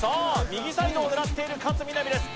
右サイドを狙っている勝みなみです。